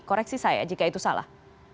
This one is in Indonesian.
koreksi saya jika itu salah